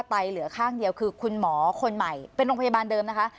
เหลือข้างเดียวคือคุณหมอคนใหม่เป็นโรงพยาบาลเดิมนะคะ